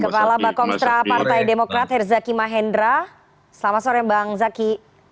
kepala bakomstra partai demokrat herzaki mahendra selamat sore bang zaki